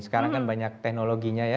sekarang kan banyak teknologinya ya